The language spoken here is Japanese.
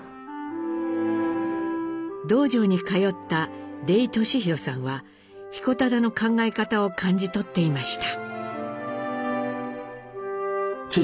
道場に通った出井俊宏さんは彦忠の考え方を感じ取っていました。